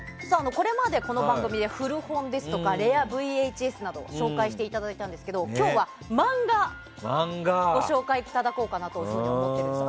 これまで、この番組で古本ですとかレアＶＨＳなどを紹介していただいたんですが今日は漫画をご紹介いただこうと思っているんです。